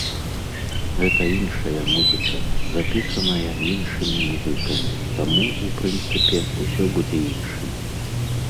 Гэта іншая музыка, запісаная іншымі музыкамі, таму, у прынцыпе, усё будзе іншым.